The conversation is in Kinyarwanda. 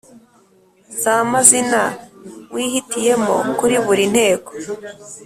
za mazina wihitiyemo kuri buri nteko